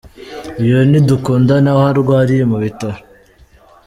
Uyu ni Dukundane aho arwariye mu bitaro.